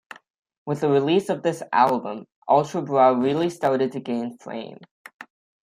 With the release of this album Ultra Bra really started to gain fame.